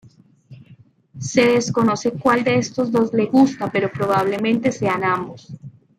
Se desconoce cual de estos dos le gusta, pero probablemente sean ambos.